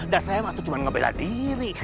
dah saya mah cuma ngebera diri